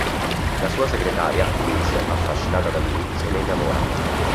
La sua segretaria, Louise, affascinata da lui, se ne innamora.